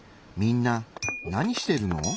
みんな何してるの？